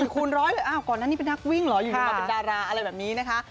คูณร้อยแบบอ้าวก่อนนั้นนี่เป็นนักวิ่งเหรออยู่มาเป็นดาราอะไรแบบนี้นะคะ